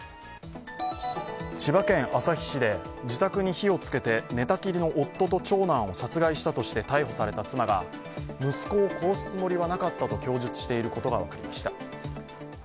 千葉県旭市で自宅に火をつけて寝たきりの夫と長男を殺害したとして逮捕された妻が息子を殺すつもりはなかったと供述していることが分かりました。